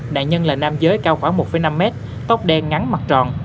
nạn nhân là nam giới cao khoảng một năm mét tóc đen ngắn mặt tròn